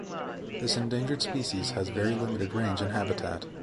This endangered species has very limited range and habitat.